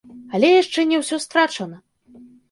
Але яшчэ не ўсё страчана.